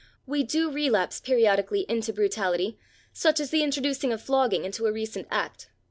We do relapse periodically into brutality, such as the introducing of flogging into a recent Act.